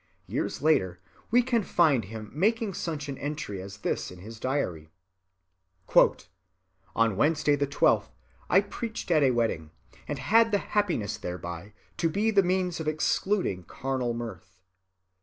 Years later we can find him making such an entry as this in his diary: "On Wednesday the 12th I preached at a wedding, and had the happiness thereby to be the means of excluding carnal mirth."